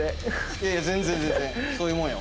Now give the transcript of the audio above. いやいや全然全然そういうもんよ。